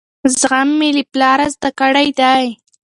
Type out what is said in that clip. زغم مې له پلاره زده کړی دی.